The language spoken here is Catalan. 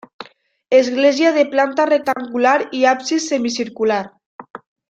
Església de planta rectangular i absis semicircular.